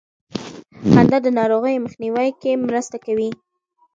خندا د ناروغیو مخنیوي کې مرسته کوي.